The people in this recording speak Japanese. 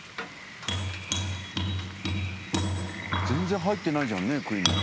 全然入ってないじゃんねくい。